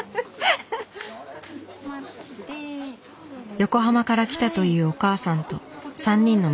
横浜から来たというお母さんと３人の息子さん。